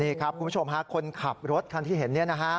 นี่ครับคุณผู้ชมฮะคนขับรถคันที่เห็นเนี่ยนะฮะ